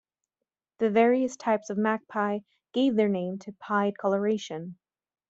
The various types of magpie gave their name to pied coloration.